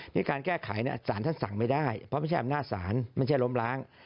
ที่การแก้ไขสารท่านสั่งไม่ได้เพราะไม่ใช่อำนาจศาลไม่ใช่ล้มล้าง